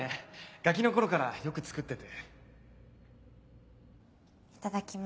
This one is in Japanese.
ガキの頃からよく作ってていただきます。